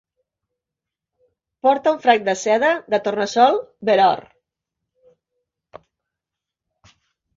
Porta un frac de seda de tornassol verd or.